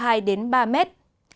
khu vực bắc biển đông